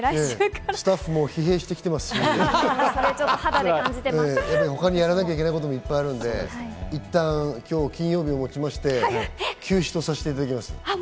スタッフも疲弊してきてますし、他にやらなきゃいけないこともいっぱいあるんで、いったん今日、金曜日をもちまして休止とさせていただきます。